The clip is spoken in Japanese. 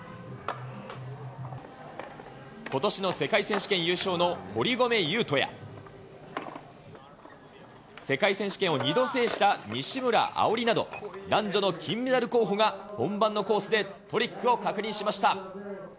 ことしの世界選手権優勝の堀米雄斗や、世界選手権を２度制した西村碧莉など、男女の金メダル候補が本番のコースでトリックを確認しました。